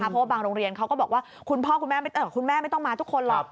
เพราะว่าบางโรงเรียนเขาก็บอกว่าคุณพ่อคุณแม่ไม่ต้องมาทุกคนหรอก